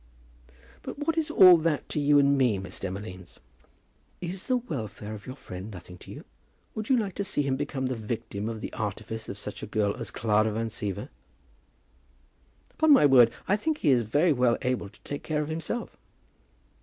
"But what is all that to you and me, Miss Demolines?" "Is the welfare of your friend nothing to you? Would you like to see him become the victim of the artifice of such a girl as Clara Van Siever?" "Upon my word I think he is very well able to take care of himself."